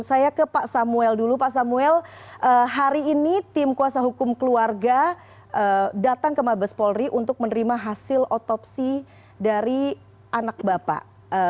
saya ke pak samuel dulu pak samuel hari ini tim kuasa hukum keluarga datang ke mabes polri untuk menerima hasil otopsi dari anak bapak